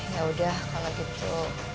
yaudah kalau gitu